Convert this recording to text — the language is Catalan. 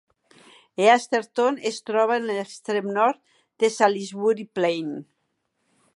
Easterton es troba en l'extrem nord de Salisbury Plain.